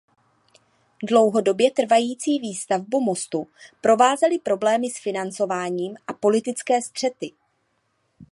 Dlouhodobě trvající výstavbu mostu provázely problémy s financováním a politické střety.